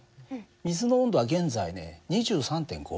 水の温度は現在ね２３．５℃だね。